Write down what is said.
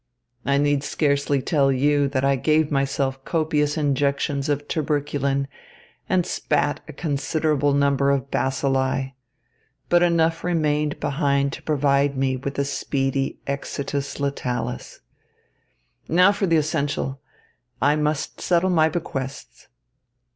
I need scarcely tell you that I gave myself copious injections of tuberculin and spat a considerable number of bacilli. But enough remained behind to provide me with a speedy exitus letalis. Now for the essential. I must settle my bequests.